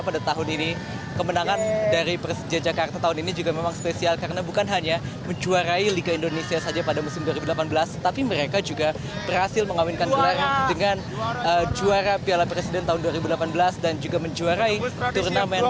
pada hari ini saya akan menunjukkan kepada anda